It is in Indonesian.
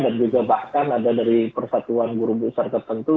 dan juga bahkan ada dari persatuan guru guru serta tentu